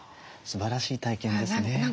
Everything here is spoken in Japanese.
すばらしい体験ですね。